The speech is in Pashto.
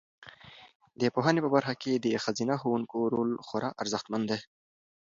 د پوهنې په برخه کې د ښځینه ښوونکو رول خورا ارزښتمن دی.